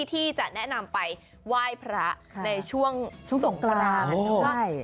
ที่จะแนะนำไปไหว้พระในช่วงสงกราน